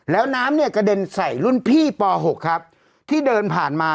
แล้วน้ำเนี่ยกระเด็นใส่รุ่นพี่ป๖ครับที่เดินผ่านมา